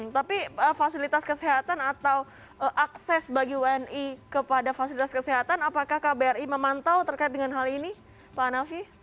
tapi fasilitas kesehatan atau akses bagi wni kepada fasilitas kesehatan apakah kbri memantau terkait dengan hal ini pak nafi